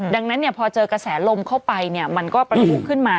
ดังนั้นพอเจอกระแสลมเข้าไปมันก็ประทุขึ้นมา